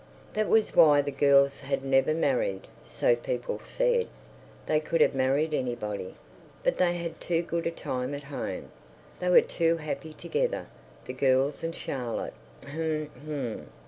That was why the girls had never married, so people said. They could have married anybody. But they had too good a time at home. They were too happy together, the girls and Charlotte. H'm, h'm!